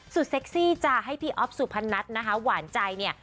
เซ็กซี่จะให้พี่อ๊อฟสุพนัทนะคะหวานใจเนี่ย